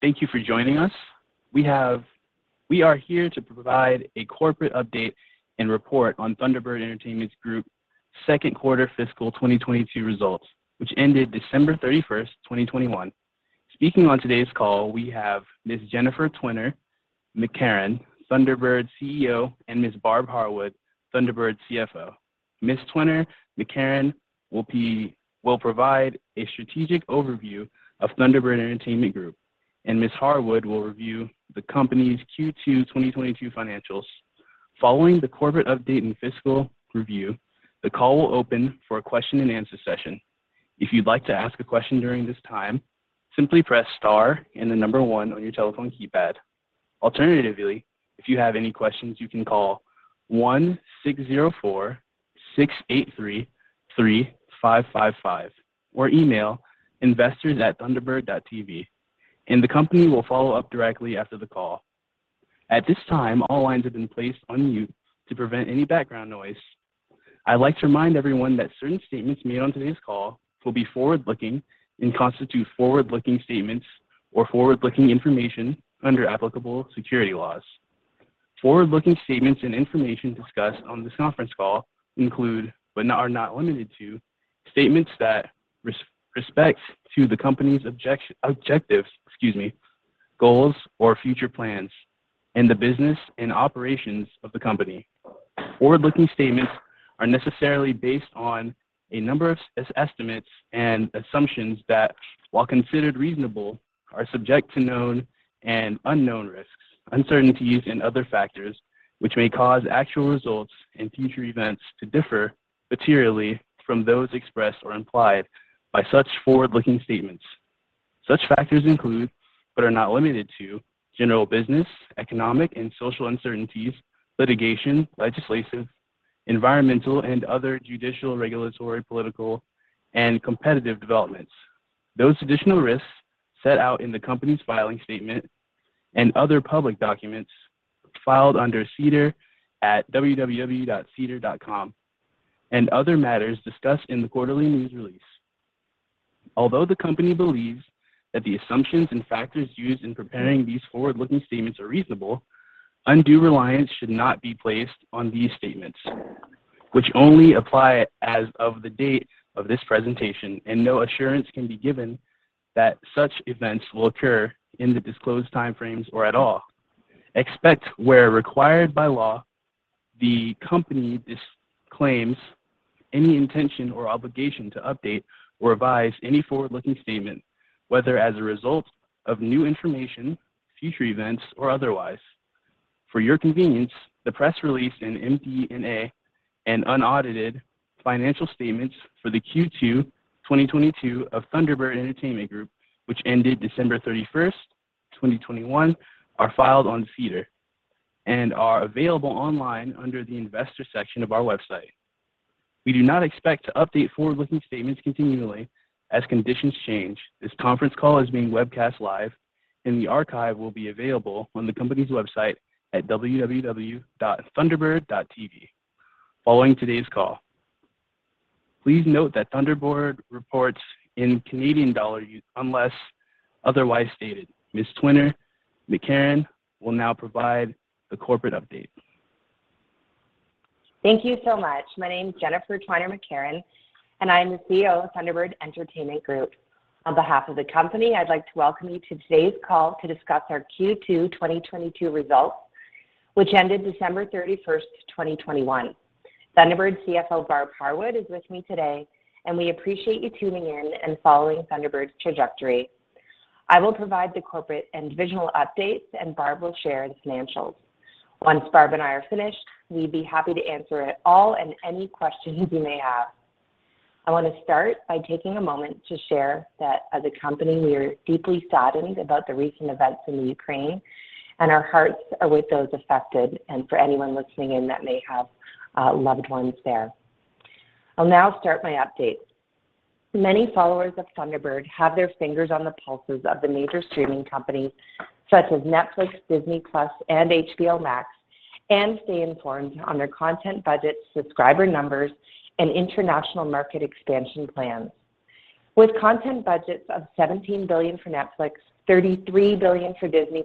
Thank you for joining us. We are here to provide a corporate update and report on Thunderbird Entertainment Group Q2 fiscal 2022 results, which ended December 31, 2021. Speaking on today's call we have Ms. Jennifer Twiner McCarron, Thunderbird CEO, and Ms. Barb Harwood, Thunderbird CFO. Ms. Jennifer Twiner McCarron will provide a strategic overview of Thunderbird Entertainment Group, and Ms. Harwood will review the company's Q2 2022 financials. Following the corporate update and fiscal review, the call will open for a question and answer session. If you'd like to ask a question during this time, simply press star and the number one on your telephone keypad. Alternatively, if you have any questions, you can call 1-604-683-3555 or email investors@thunderbird.tv, and the company will follow up directly after the call. At this time, all lines have been placed on mute to prevent any background noise. I'd like to remind everyone that certain statements made on today's call will be forward-looking and constitute forward-looking statements or forward-looking information under applicable securities laws. Forward-looking statements and information discussed on this conference call include, but are not limited to, statements that with respect to the company's objectives, excuse me, goals or future plans, and the business and operations of the company. Forward-looking statements are necessarily based on a number of estimates and assumptions that, while considered reasonable, are subject to known and unknown risks, uncertainties and other factors which may cause actual results and future events to differ materially from those expressed or implied by such forward-looking statements. Such factors include, but are not limited to, general business, economic and social uncertainties, litigation, legislative, environmental and other judicial, regulatory, political and competitive developments. Those additional risks set out in the company's filing statement and other public documents filed under SEDAR at www.sedar.com and other matters discussed in the quarterly news release. Although the company believes that the assumptions and factors used in preparing these forward-looking statements are reasonable, undue reliance should not be placed on these statements, which only apply as of the date of this presentation and no assurance can be given that such events will occur in the disclosed time frames or at all. Except where required by law, the company disclaims any intention or obligation to update or revise any forward-looking statement, whether as a result of new information, future events or otherwise. For your convenience, the press release in MD&A and unaudited financial statements for the Q2 2022 of Thunderbird Entertainment Group, which ended December 31, 2021, are filed on SEDAR and are available online under the investor section of our website. We do not expect to update forward-looking statements continually as conditions change. This conference call is being webcast live and the archive will be available on the company's website at www.thunderbird.tv following today's call. Please note that Thunderbird reports in CAD unless otherwise stated. Ms. Twiner McCarron will now provide the corporate update. Thank you so much. My name is Jennifer Twiner McCarron, and I am the CEO of Thunderbird Entertainment Group. On behalf of the company, I'd like to welcome you to today's call to discuss our Q2 2022 results, which ended December 31, 2021. Thunderbird CFO Barb Harwood is with me today, and we appreciate you tuning in and following Thunderbird's trajectory. I will provide the corporate and divisional updates, and Barb will share the financials. Once Barb and I are finished, we'd be happy to answer all and any questions you may have. I want to start by taking a moment to share that as a company, we are deeply saddened about the recent events in the Ukraine, and our hearts are with those affected and for anyone listening in that may have loved ones there. I'll now start my update. Many followers of Thunderbird have their fingers on the pulses of the major streaming companies such as Netflix, Disney+ and HBO Max and stay informed on their content budgets, subscriber numbers and international market expansion plans. With content budgets of $17 billion for Netflix, $33 billion for Disney+,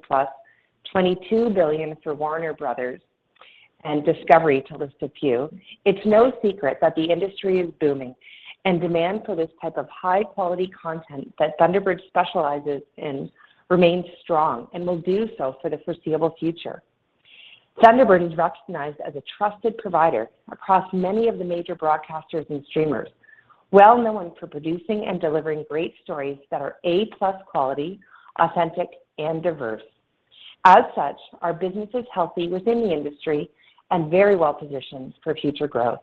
$22 billion for Warner Bros. and Discovery to list a few, it's no secret that the industry is booming and demand for this type of high-quality content that Thunderbird specializes in remains strong and will do so for the foreseeable future. Thunderbird is recognized as a trusted provider across many of the major broadcasters and streamers, well-known for producing and delivering great stories that are A-plus quality, authentic and diverse. As such, our business is healthy within the industry and very well positioned for future growth.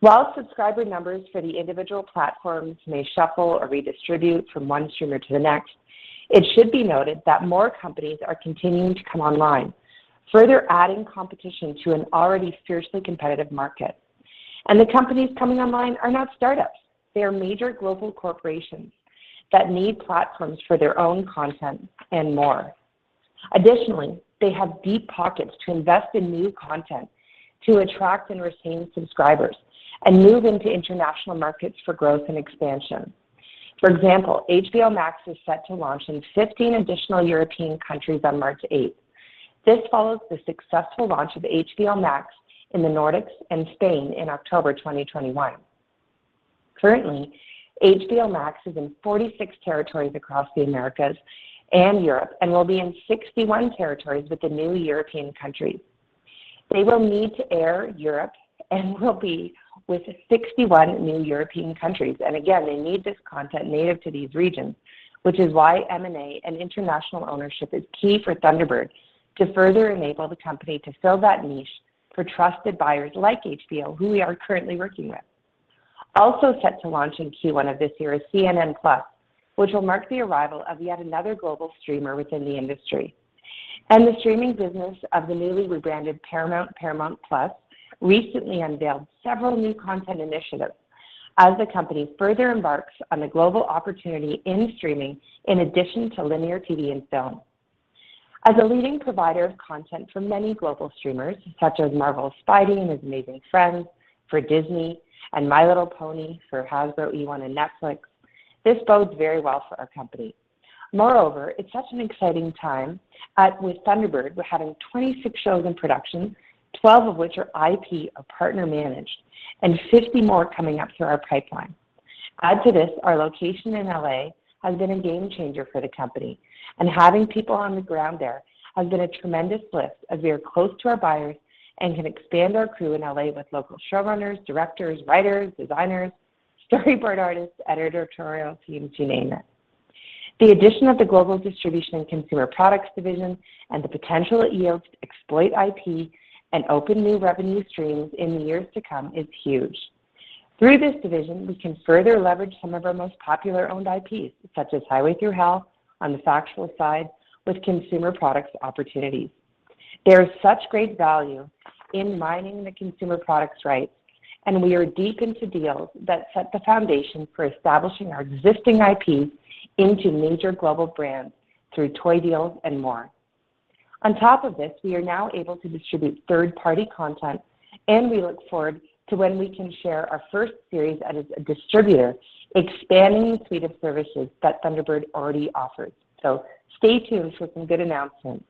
While subscriber numbers for the individual platforms may shuffle or redistribute from one streamer to the next, it should be noted that more companies are continuing to come online, further adding competition to an already fiercely competitive market. The companies coming online are not startups, they are major global corporations that need platforms for their own content and more. Additionally, they have deep pockets to invest in new content to attract and retain subscribers and move into international markets for growth and expansion. For example, HBO Max is set to launch in 15 additional European countries on March 8. This follows the successful launch of HBO Max in the Nordics and Spain in October 2021. Currently, HBO Max is in 46 territories across the Americas and Europe, and will be in 61 territories with the new European countries. They will need to air in Europe and will be in 61 new European countries. Again, they need this content native to these regions, which is why M&A and international ownership is key for Thunderbird to further enable the company to fill that niche for trusted buyers like HBO, who we are currently working with. Also set to launch in Q1 of this year is CNN+, which will mark the arrival of yet another global streamer within the industry. The streaming business of the newly rebranded Paramount+ recently unveiled several new content initiatives as the company further embarks on the global opportunity in streaming in addition to linear TV and film. As a leading provider of content for many global streamers, such as Marvel's Spidey and His Amazing Friends for Disney and My Little Pony for Hasbro, eOne, and Netflix, this bodes very well for our company. Moreover, it's such an exciting time with Thunderbird. We're having 26 shows in production, 12 of which are IP or partner-managed, and 50 more coming up through our pipeline. Add to this, our location in L.A. has been a game changer for the company, and having people on the ground there has been a tremendous lift as we are close to our buyers and can expand our crew in L.A. with local showrunners, directors, writers, designers, storyboard artists, editorial teams, you name it. The addition of the global distribution and consumer products division and the potential it yields to exploit IP and open new revenue streams in the years to come is huge. Through this division, we can further leverage some of our most popular owned IPs, such as Highway Thru Hell on the factual side with consumer products opportunities. There is such great value in mining the consumer products rights, and we are deep into deals that set the foundation for establishing our existing IPs into major global brands through toy deals and more. On top of this, we are now able to distribute third-party content, and we look forward to when we can share our first series as a distributor, expanding the suite of services that Thunderbird already offers. Stay tuned for some good announcements.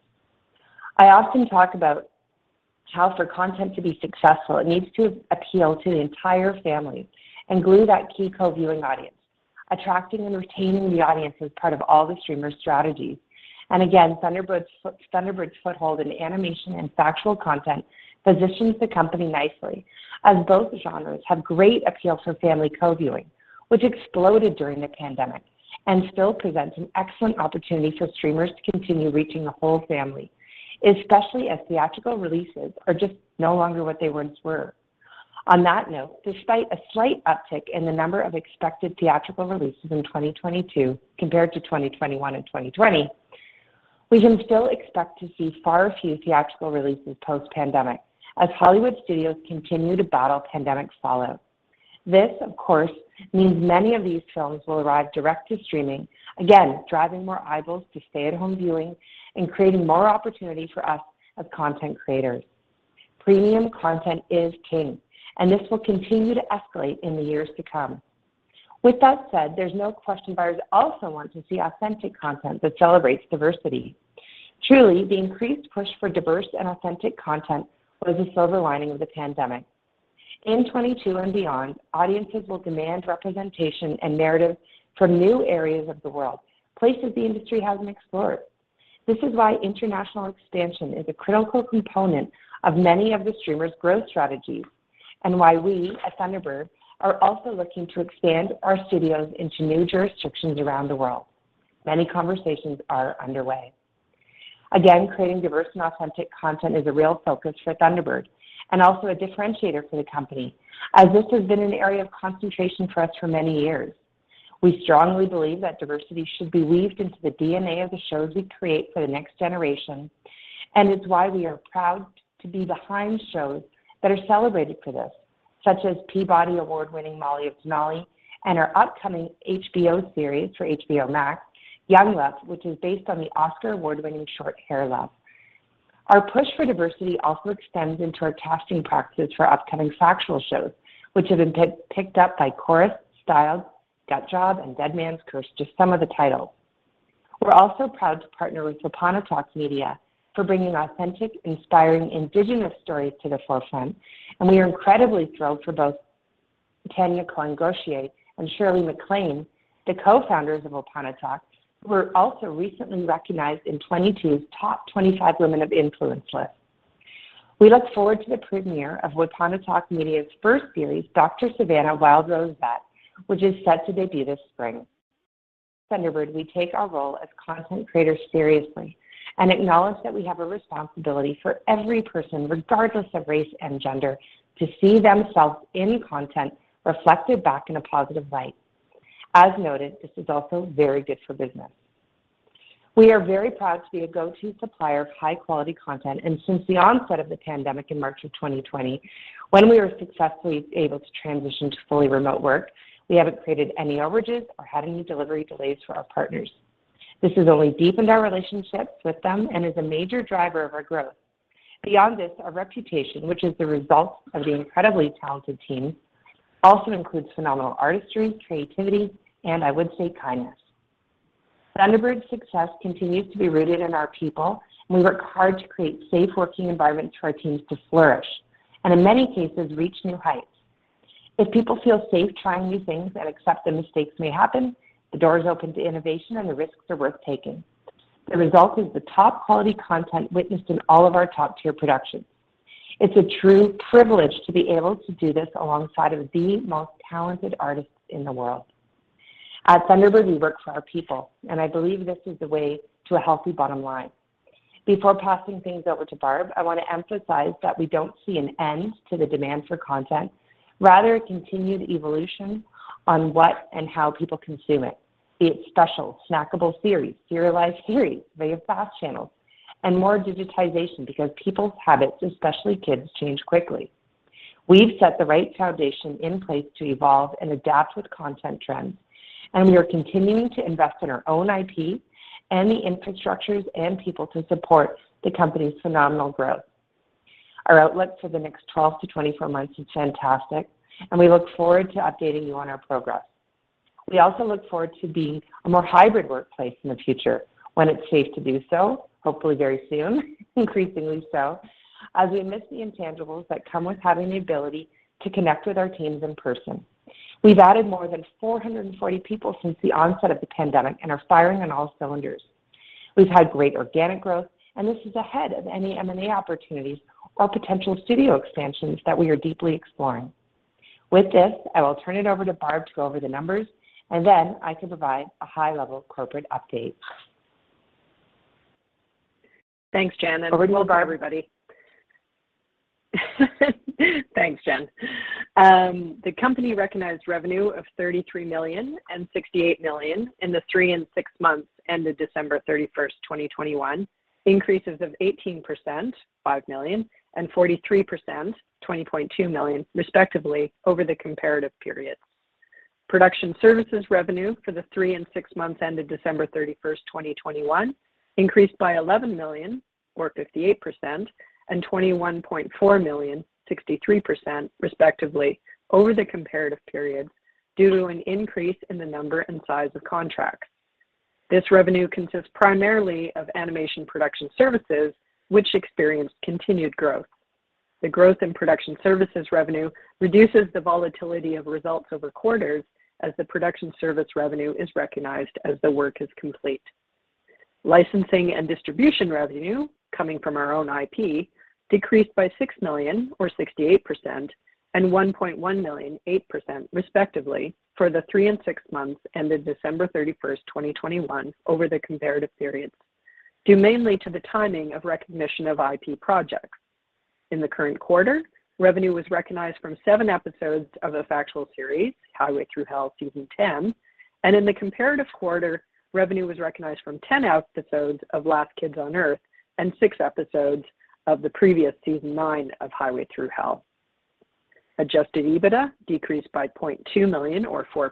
I often talk about how for content to be successful, it needs to appeal to the entire family and glue that key co-viewing audience. Attracting and retaining the audience is part of all the streamers' strategies. Again, Thunderbird's foothold in animation and factual content positions the company nicely as both genres have great appeal for family co-viewing, which exploded during the pandemic and still presents an excellent opportunity for streamers to continue reaching the whole family, especially as theatrical releases are just no longer what they once were. On that note, despite a slight uptick in the number of expected theatrical releases in 2022 compared to 2021 and 2020, we can still expect to see far fewer theatrical releases post-pandemic as Hollywood studios continue to battle pandemic's fallout. This, of course, means many of these films will arrive direct to streaming, again, driving more eyeballs to stay-at-home viewing and creating more opportunity for us as content creators. Premium content is king, and this will continue to escalate in the years to come. With that said, there's no question buyers also want to see authentic content that celebrates diversity. Truly, the increased push for diverse and authentic content was a silver lining of the pandemic. In 2022 and beyond, audiences will demand representation and narrative from new areas of the world, places the industry hasn't explored. This is why international expansion is a critical component of many of the streamers' growth strategies, and why we at Thunderbird are also looking to expand our studios into new jurisdictions around the world. Many conversations are underway. Again, creating diverse and authentic content is a real focus for Thunderbird, and also a differentiator for the company, as this has been an area of concentration for us for many years. We strongly believe that diversity should be woven into the DNA of the shows we create for the next generation, and it's why we are proud to be behind shows that are celebrated for this, such as Peabody Award-winning Molly of Denali and our upcoming HBO Max series Young Love, which is based on the Oscar-winning short Hair Love. Our push for diversity also extends into our casting practices for upcoming factual shows, which have been picked up by Corus, Styled, Gut Job, and Deadman's Curse, just some of the titles. We're also proud to partner with Wapanatahk Media for bringing authentic, inspiring Indigenous stories to the forefront, and we are incredibly thrilled for both Tania Koenig-Gauchier and Shirley McLean, the co-founders of Wapanatahk, who were also recently recognized in 2022's Top 25 Women of Influence list. We look forward to the premiere of Wapanatahk Media's first series, Dr. Savannah: Wild Rose Vet, which is set to debut this spring. At Thunderbird, we take our role as content creators seriously and acknowledge that we have a responsibility for every person, regardless of race and gender, to see themselves in content reflected back in a positive light. As noted, this is also very good for business. We are very proud to be a go-to supplier of high-quality content, and since the onset of the pandemic in March 2020, when we were successfully able to transition to fully remote work, we haven't created any overages or had any delivery delays for our partners. This has only deepened our relationships with them and is a major driver of our growth. Beyond this, our reputation, which is the result of the incredibly talented team, also includes phenomenal artistry, creativity, and I would say kindness. Thunderbird's success continues to be rooted in our people, and we work hard to create safe working environments for our teams to flourish, and in many cases, reach new heights. If people feel safe trying new things and accept that mistakes may happen, the door is open to innovation and the risks are worth taking. The result is the top-quality content witnessed in all of our top-tier productions. It's a true privilege to be able to do this alongside of the most talented artists in the world. At Thunderbird, we work for our people, and I believe this is the way to a healthy bottom line. Before passing things over to Barb, I wanna emphasize that we don't see an end to the demand for content, rather a continued evolution on what and how people consume it. Be it specials, snackable series, serialized series, FAST channels, and more digitization because people's habits, especially kids, change quickly. We've set the right foundation in place to evolve and adapt with content trends, and we are continuing to invest in our own IP and the infrastructures and people to support the company's phenomenal growth. Our outlook for the next 12-24 months is fantastic, and we look forward to updating you on our progress. We also look forward to being a more hybrid workplace in the future when it's safe to do so, hopefully very soon, increasingly so, as we miss the intangibles that come with having the ability to connect with our teams in person. We've added more than 440 people since the onset of the pandemic and are firing on all cylinders. We've had great organic growth, and this is ahead of any M&A opportunities or potential studio expansions that we are deeply exploring. With this, I will turn it over to Barb to go over the numbers, and then I can provide a high-level corporate update. Thanks, Jen. Over to you, Barb. Hello to everybody. Thanks, Jen. The company recognized revenue of 33 million and 68 million in the three and six months ended December 31, 2021, increases of 18%, 5 million, and 43%, 20.2 million, respectively, over the comparative period. Production services revenue for the three and six months ended December 31, 2021 increased by 11 million or 58% and 21.4 million, 63% respectively over the comparative period due to an increase in the number and size of contracts. This revenue consists primarily of animation production services which experience continued growth. The growth in production services revenue reduces the volatility of results over quarters as the production service revenue is recognized as the work is complete. Licensing and distribution revenue coming from our own IP decreased by 6 million or 68% and 1.1 million, 8% respectively for the three and six months ended December 31, 2021 over the comparative periods, due mainly to the timing of recognition of IP projects. In the current quarter, revenue was recognized from seven episodes of a factual series, Highway Thru Hell: Season Ten, and in the comparative quarter, revenue was recognized from 10 episodes of Last Kids on Earth and six episodes of the previous Season Nine of Highway Thru Hell. Adjusted EBITDA decreased by 0.2 million or 4%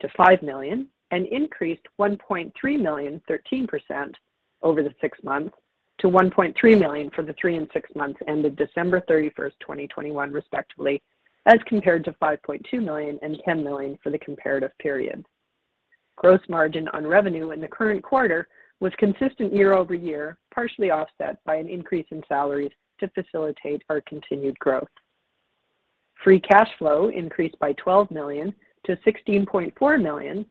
to 5 million and increased one point three million, 13% over the six months to 11.3 million for the three and six months ended December 31, 2021 respectively, as compared to 5.2 million and 10 million for the comparative period. Gross margin on revenue in the current quarter was consistent year-over-year, partially offset by an increase in salaries to facilitate our continued growth. Free cash flow increased by 12 million to 16.4 million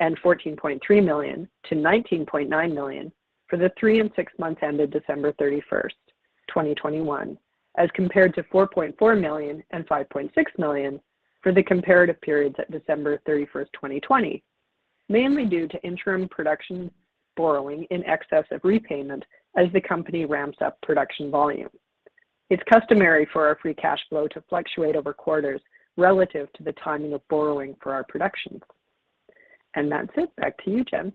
and 14.3 million to 19.9 million for the three and six months ended December 31, 2021, as compared to 4.4 million and 5.6 million for the comparative periods at December 31, 2020, mainly due to interim production borrowing in excess of repayment as the company ramps up production volume. It's customary for our free cash flow to fluctuate over quarters relative to the timing of borrowing for our productions. That's it. Back to you, Jen.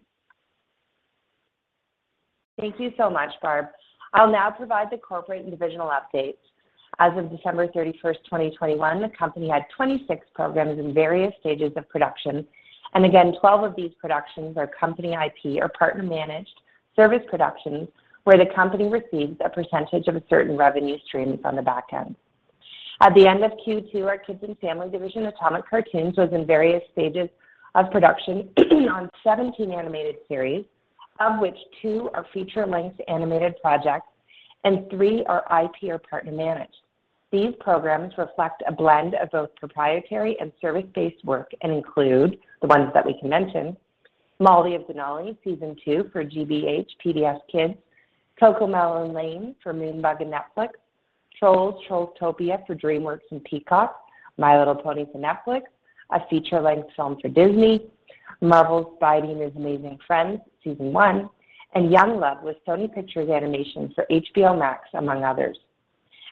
Thank you so much, Barb. I'll now provide the corporate and divisional updates. As of December 31, 2021, the company had 26 programs in various stages of production, and again, 12 of these productions are company IP or partner-managed service productions where the company receives a percentage of certain revenue streams on the back end. At the end of Q2, our Kids and Family division, Atomic Cartoons, was in various stages of production on 17 animated series, of which two are feature-length animated projects and three are IP or partner-managed. These programs reflect a blend of both proprietary and service-based work and include the ones that we can mention, Molly of Denali, Season Two for GBH, PBS KIDS, CoComelon Lane for Moonbug and Netflix, Trolls: TrollsTopia for DreamWorks and Peacock, My Little Pony for Netflix, a feature-length film for Disney, Marvel's Spidey and His Amazing Friends, Season One, and Young Love with Sony Pictures Animation for HBO Max, among others.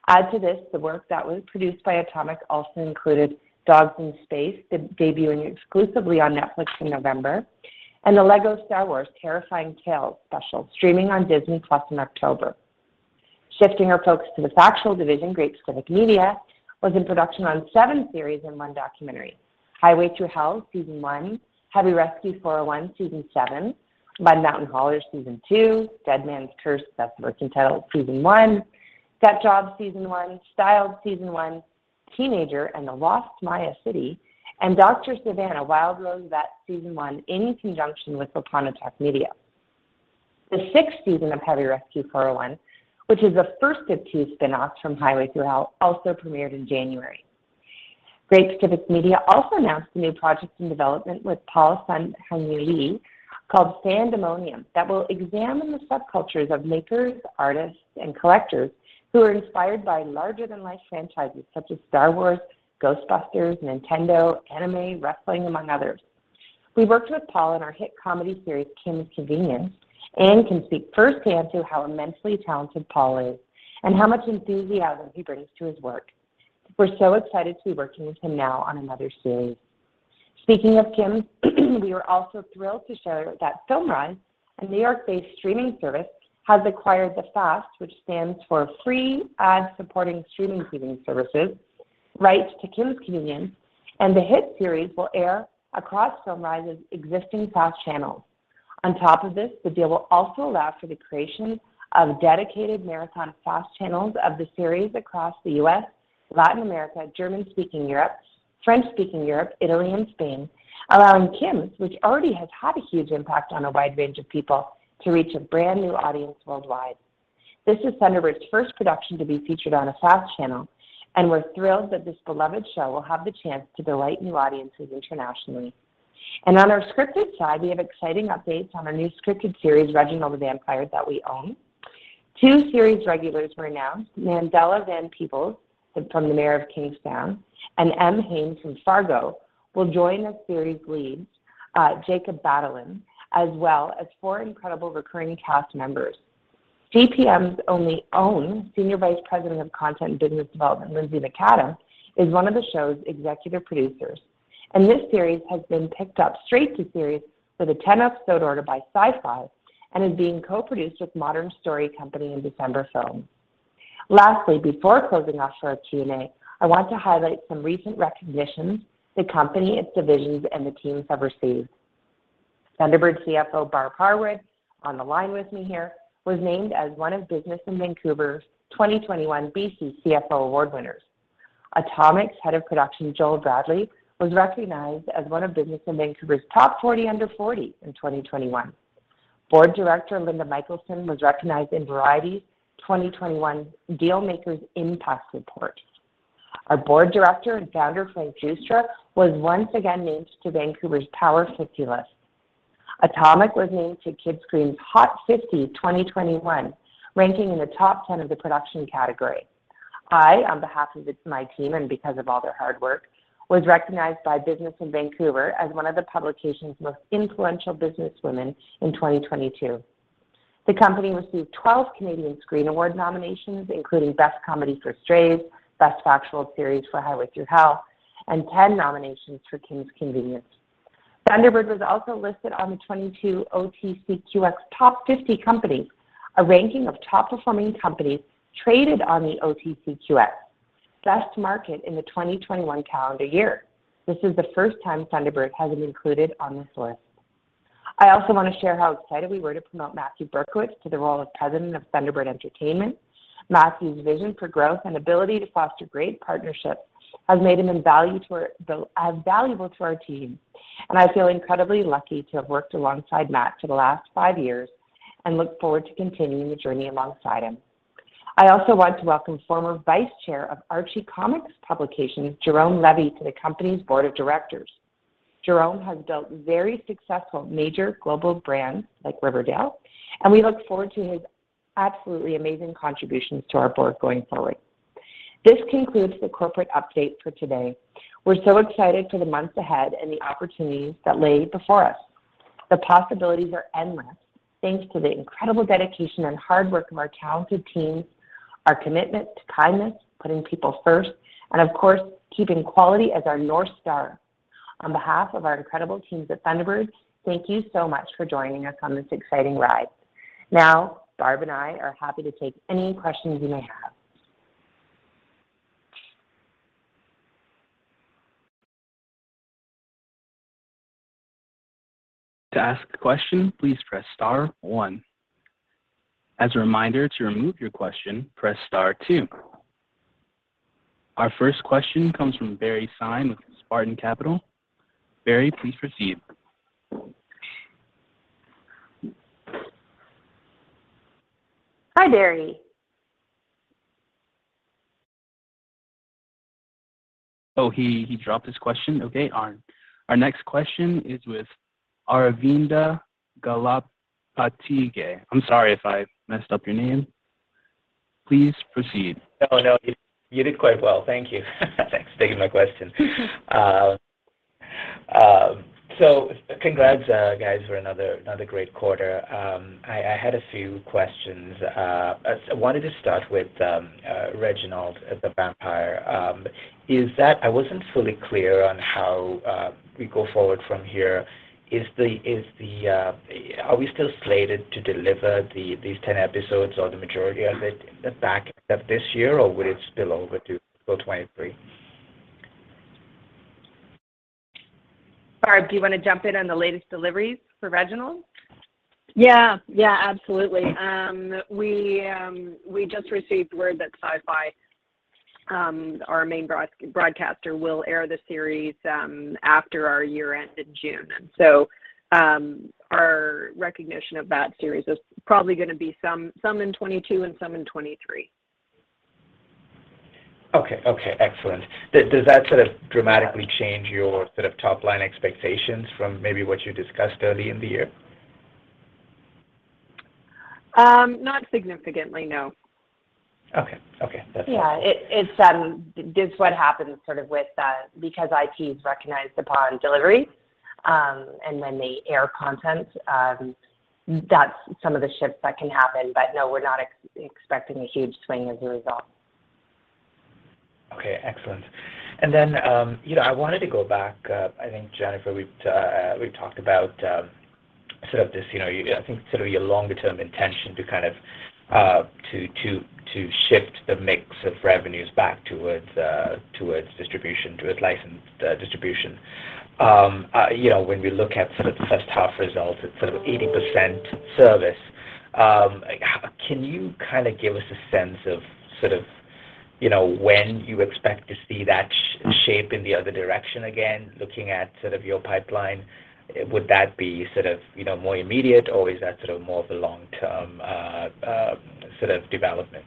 Add to this, the work that was produced by Atomic also included Dogs in Space, debuting exclusively on Netflix in November, and the LEGO Star Wars Terrifying Tales special streaming on Disney+ in October. Shifting our focus to the Factual division, Great Pacific Media was in production on seven series and one documentary. Highway Thru Hell, Season 1, Heavy Rescue: 401, Season 7, Mud Mountain Haulers season 2, Deadman's Curse, that's the working title season 1, Gut Job season 1, Styled season 1, The Teenager and the Lost Maya City, and Dr. Savannah: Wild Rose Vet season 1 in conjunction with Wapanatahk Media. The 6th season of Heavy Rescue: 401, which is the first of two spin-offs from Highway Thru Hell, also premiered in January. Great Pacific Media also announced new projects in development with Paul Sun-Hyung Lee called Fandemonium that will examine the subcultures of makers, artists, and collectors who are inspired by larger-than-life franchises such as Star Wars, Ghostbusters, Nintendo, anime, wrestling, among others. We've worked with Paul in our hit comedy series Kim's Convenience and can speak firsthand to how immensely talented Paul is and how much enthusiasm he brings to his work. We're so excited to be working with him now on another series. Speaking of Kim, we are also thrilled to share that FilmRise, a New York-based streaming service, has acquired the FAST, which stands for Free Ad-Supported Streaming TV, rights to Kim's Convenience, and the hit series will air across FilmRise's existing FAST channels. On top of this, the deal will also allow for the creation of dedicated marathon FAST channels of the series across the U.S., Latin America, German-speaking Europe, French-speaking Europe, Italy, and Spain, allowing Kim's, which already has had a huge impact on a wide range of people, to reach a brand new audience worldwide. This is Thunderbird's first production to be featured on a FAST channel, and we're thrilled that this beloved show will have the chance to delight new audiences internationally. On our scripted side, we have exciting updates on our new scripted series, Reginald the Vampire, that we own. Two series regulars were announced, Mandela Van Peebles from Mayor of Kingstown and Em Haine from Fargo will join as series leads Jacob Batalon, as well as four incredible recurring cast members. GPM's only own Senior Vice President of Content and Business Development, Lindsay Macadam, is one of the show's executive producers, and this series has been picked up straight to series with a 10-episode order by Syfy and is being co-produced with Modern Story Company and December Films. Lastly, before closing off for our Q&A, I want to highlight some recent recognitions the company, its divisions, and the teams have received. Thunderbird CFO Barb Harwood, on the line with me here, was named as one of Business in Vancouver's 2021 BC CFO Award winners. Atomic's Head of Production, Joel Bradley, was recognized as one of Business in Vancouver's Top 40 Under 40 in 2021. Board Director Linda Michaelson was recognized in Variety's 2021 Dealmakers Impact Report. Our Board Director and Founder, Frank Giustra, was once again named to Vancouver's Power 50 list. Atomic was named to Kidscreen's Hot 50 2021, ranking in the top 10 of the production category. I, on behalf of my team and because of all their hard work, was recognized by Business in Vancouver as one of the publication's most influential businesswomen in 2022. The company received 12 Canadian Screen Award nominations, including Best Comedy for Strays, Best Factual Series for Highway Thru Hell, and 10 nominations for Kim's Convenience. Thunderbird was also listed on the 2022 OTCQX Top 50 Companies, a ranking of top-performing companies traded on the OTCQX Best Market in the 2021 calendar year. This is the first time Thunderbird has been included on this list. I also want to share how excited we were to promote Matthew Berkowitz to the role of President of Thunderbird Entertainment. Matthew's vision for growth and ability to foster great partnerships has made him invaluable to our team, and I feel incredibly lucky to have worked alongside Matt for the last five years and look forward to continuing the journey alongside him. I also want to welcome former Vice Chair of Archie Comics Publications, Jérôme Lévy, to the company's Board of Directors. Jérôme has built very successful major global brands like Riverdale, and we look forward to his absolutely amazing contributions to our board going forward. This concludes the corporate update for today. We're so excited for the months ahead and the opportunities that lay before us. The possibilities are endless thanks to the incredible dedication and hard work of our talented teams, our commitment to kindness, putting people first, and of course, keeping quality as our North Star. On behalf of our incredible teams at Thunderbird, thank you so much for joining us on this exciting ride. Now, Barb and I are happy to take any questions you may have. Our first question comes from Barry Sine with Spartan Capital. Barry, please proceed. Hi, Barry. Oh, he dropped his question. Okay. Our next question is with Aravinda Galappatthige. I'm sorry if I messed up your name. Please proceed. No, you did quite well. Thank you. Thanks for taking my question. Congrats, guys for another great quarter. I had a few questions. I wanted to start with Reginald the Vampire. I wasn't fully clear on how we go forward from here. Are we still slated to deliver these ten episodes or the majority of it in the back half of this year, or would it spill over to 2023? Barb, do you want to jump in on the latest deliveries for Reginald? Yeah. Yeah, absolutely. We just received word that Syfy, our main broadcaster, will air the series after our year-end in June. Our recognition of that series is probably gonna be some in 2022 and some in 2023. Okay. Okay, excellent. Does that sort of dramatically change your sort of top-line expectations from maybe what you discussed early in the year? Not significantly, no. Okay. Yeah. This is what happens sort of with because IP is recognized upon delivery, and when they air content, that's some of the shifts that can happen. No, we're not expecting a huge swing as a result. Okay, excellent. Then, you know, I wanted to go back. I think, Jennifer, we've talked about sort of this, you know, I think sort of your longer term intention to kind of to shift the mix of revenues back towards distribution, towards licensed distribution. You know, when we look at sort of first half results, it's sort of 80% service. Can you kind of give us a sense of sort of, you know, when you expect to see that shape in the other direction again, looking at sort of your pipeline? Would that be sort of, you know, more immediate, or is that sort of more of a long-term sort of development?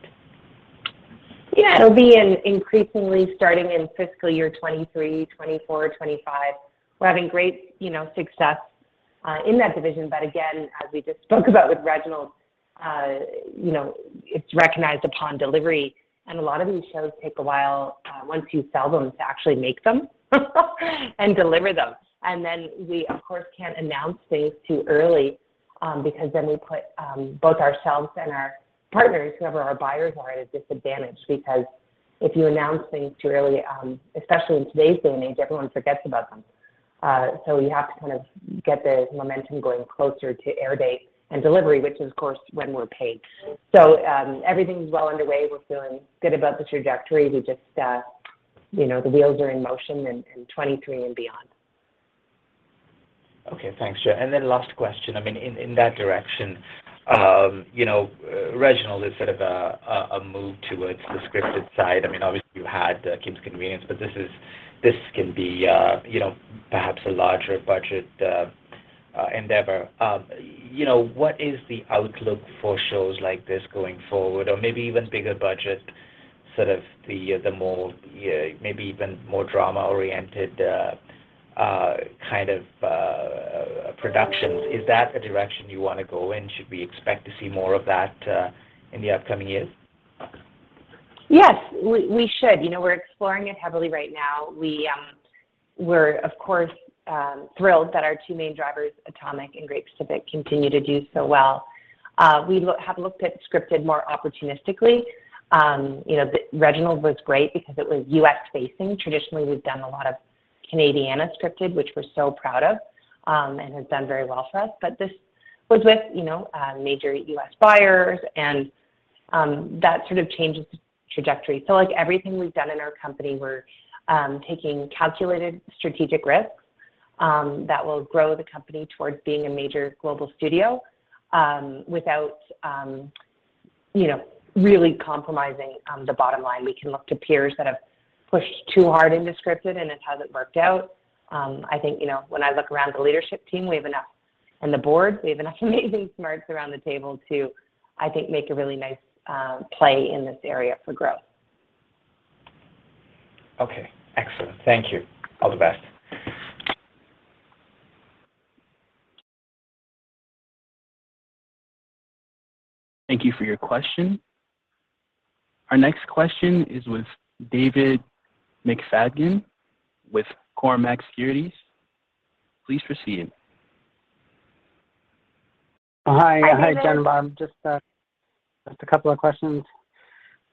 Yeah. It'll be increasingly starting in fiscal year 2023, 2024, 2025. We're having great, you know, success in that division, but again, as we just spoke about with Reginald, you know, it's recognized upon delivery, and a lot of these shows take a while, once you sell them, to actually make them and deliver them. We, of course, can't announce things too early, because then we put both ourselves and our partners, whoever our buyers are, at a disadvantage. Because if you announce things too early, especially in today's day and age, everyone forgets about them. So we have to kind of get the momentum going closer to air date and delivery, which is of course, when we're paid. Everything's well underway. We're feeling good about the trajectory. We just, you know, the wheels are in motion in 2023 and beyond. Okay, thanks. Yeah, and then last question, I mean, in that direction. You know, Reginald is sort of a move towards the scripted side. I mean, obviously you had Kim's Convenience, but this can be, you know, perhaps a larger budget endeavor. You know, what is the outlook for shows like this going forward, or maybe even bigger budget, sort of the more, maybe even more drama-oriented kind of productions. Is that a direction you wanna go in? Should we expect to see more of that in the upcoming years? Yes, we should. You know, we're exploring it heavily right now. We're of course thrilled that our two main drivers, Atomic and Great Pacific, continue to do so well. We have looked at scripted more opportunistically. You know, Reginald was great because it was U.S.-facing. Traditionally, we've done a lot of Canadiana scripted, which we're so proud of, and has done very well for us. But this was with, you know, major U.S. buyers, and that sort of changes the trajectory. So like everything we've done in our company, we're taking calculated strategic risks, that will grow the company towards being a major global studio, without, you know, really compromising, the bottom line. We can look to peers that have pushed too hard into scripted and it hasn't worked out. I think, you know, when I look around the leadership team and the board, we have enough amazing smarts around the table to, I think, make a really nice play in this area for growth. Okay, excellent. Thank you. All the best. Thank you for your question. Our next question is with David McFadgen with Cormark Securities. Please proceed. Hi. Hi, Jennifer. Just a couple of questions.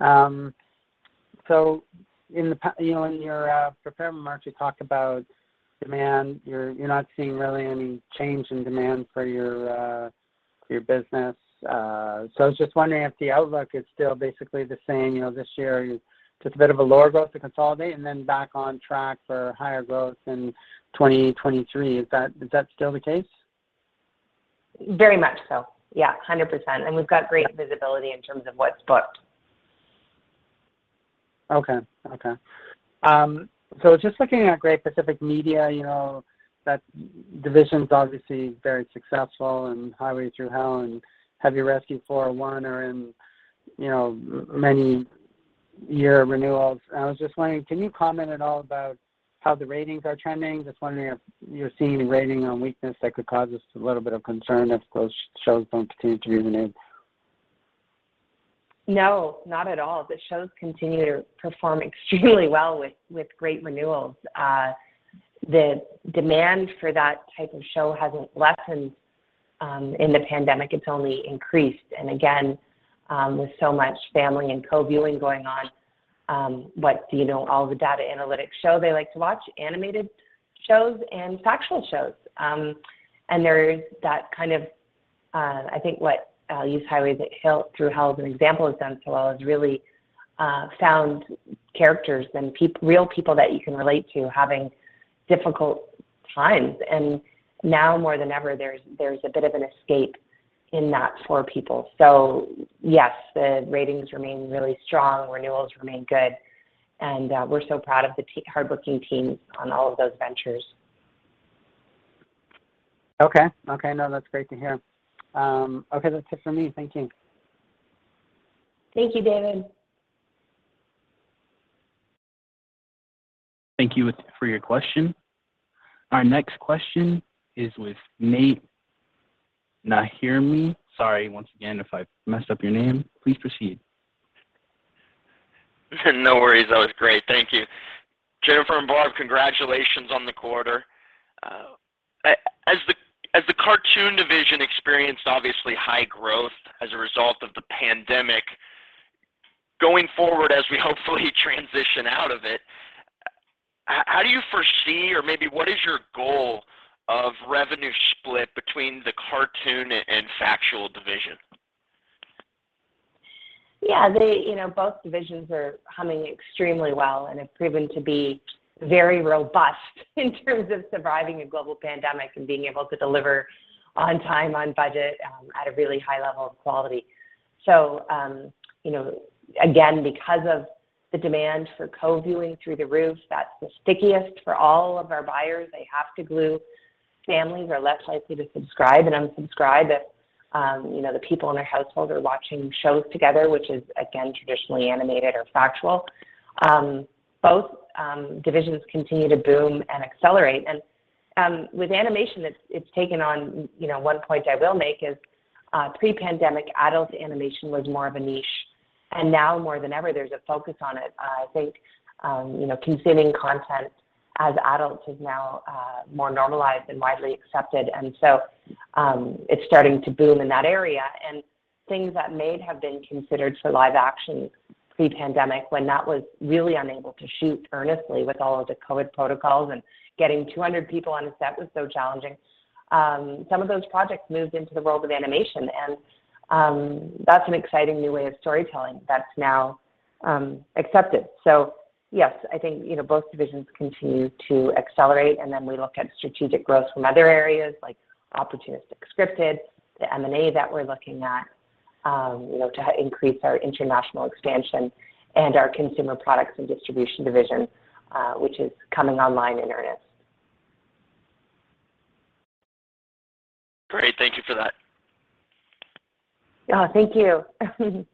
So you know, in your prepared remarks, you talked about demand. You're not seeing really any change in demand for your business. So I was just wondering if the outlook is still basically the same. You know, this year you took a bit of a lower growth to consolidate and then back on track for higher growth in 2023. Is that still the case? Very much so. Yeah, 100%. We've got great visibility in terms of what's booked. Just looking at Great Pacific Media, you know, that division's obviously very successful, and Highway Thru Hell and Heavy Rescue: 401 are in, you know, many-year renewals. I was just wondering, can you comment at all about how the ratings are trending? Just wondering if you're seeing any rating weakness that could cause us a little bit of concern if those shows don't continue to renew. No, not at all. The shows continue to perform extremely well with great renewals. The demand for that type of show hasn't lessened in the pandemic, it's only increased. With so much family and co-viewing going on, you know, all the data analytics show they like to watch animated shows and factual shows. I think what Highway Thru Hell as an example has done so well is really found characters and real people that you can relate to having difficult times. Now more than ever there's a bit of an escape in that for people. Yes, the ratings remain really strong, renewals remain good, and we're so proud of the hard-working team on all of those ventures. Okay. No, that's great to hear. Okay. That's it for me. Thank you. Thank you, David. Thank you for your question. Our next question is with Nate Nahimi. Sorry once again if I messed up your name. Please proceed. No worries. That was great. Thank you. Jennifer and Barb, congratulations on the quarter. As the cartoon division experienced obviously high growth as a result of the pandemic, going forward as we hopefully transition out of it, how do you foresee or maybe what is your goal of revenue split between the cartoon and factual division? Yeah. They, you know, both divisions are humming extremely well and have proven to be very robust in terms of surviving a global pandemic and being able to deliver on time, on budget, at a really high level of quality. You know, again, because of the demand for co-viewing through the roof, that's the stickiest for all of our buyers. They have to glue. Families are less likely to subscribe and unsubscribe if, you know, the people in their household are watching shows together, which is again traditionally animated or factual. Both divisions continue to boom and accelerate. With animation it's taken on. You know, one point I will make is, pre-pandemic adult animation was more of a niche, and now more than ever there's a focus on it. I think, you know, consuming content as adults is now more normalized and widely accepted, and so it's starting to boom in that area. Things that may have been considered for live action pre-pandemic when that was really unable to shoot earnestly with all of the COVID protocols and getting 200 people on a set was so challenging, some of those projects moved into the world of animation, and that's an exciting new way of storytelling that's now accepted. Yes, I think, you know, both divisions continue to accelerate, and then we look at strategic growth from other areas like opportunistic scripted, the M&A that we're looking at, you know, to increase our international expansion and our consumer products and distribution division, which is coming online in earnest. Great. Thank you for that. Oh, thank you.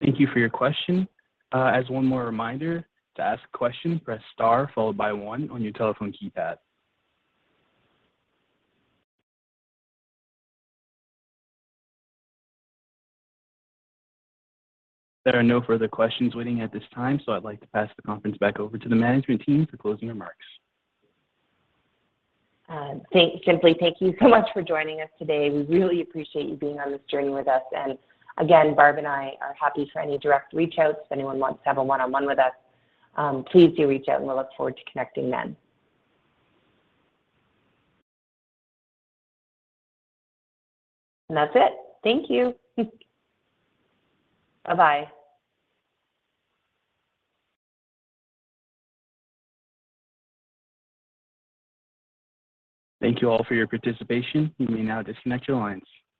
Thank you for your question. As one more reminder, to ask a question press star followed by one on your telephone keypad. There are no further questions waiting at this time, so I'd like to pass the conference back over to the management team for closing remarks. Simply thank you so much for joining us today. We really appreciate you being on this journey with us. Again, Barb and I are happy for any direct reach outs if anyone wants to have a one-on-one with us. Please do reach out, and we'll look forward to connecting then. That's it. Thank you. Bye-bye. Thank you all for your participation. You may now disconnect your lines.